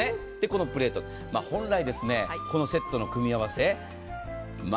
このプレート本来、このセットの組み合わせ